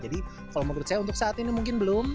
jadi kalau menurut saya untuk saat ini mungkin belum